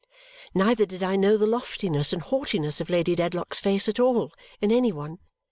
Neither did I know the loftiness and haughtiness of Lady Dedlock's face, at all, in any one.